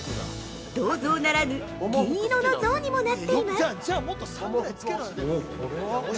銅像ならぬ銀色の像にもなっています。